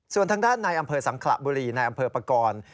ส่วนทางด้านในอำเภอสังขระบุรีในอำเภอปากร